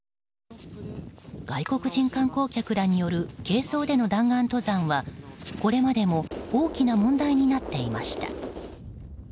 外国人観光客らによる軽装での弾丸登山はこれまでも大きな問題になっていました。